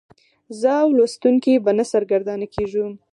زه او لوستونکی به نه سرګردانه کیږو.